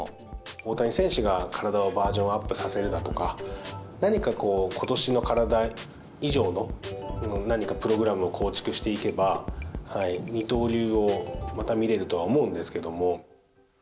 大谷選手が体をバージョンアップさせるだとか、何かことしの体以上の何かプログラムを構築していけば、二刀流をまた見れるとは思うんですけれども。